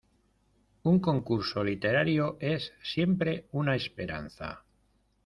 Un concurso literario es, siempre, una esperanza.